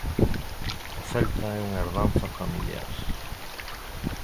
O Celta é unha herdanza familiar.